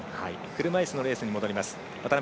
車いすのレースに戻ります。